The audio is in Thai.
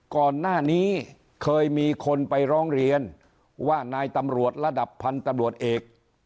ก่อนหน้านี้เคยมีคนไปร้องเรียนว่านายตำรวจระดับพันธุ์ตำรวจเอก